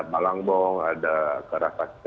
malangbong ada gara fasika